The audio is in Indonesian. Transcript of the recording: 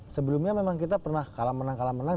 sebelumnya memang kita pernah kalah menang kalah menang